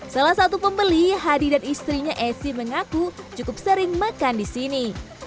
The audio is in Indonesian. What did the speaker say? salah satu pembeli hadi dan istrinya esi mengaku cukup sering makan di sini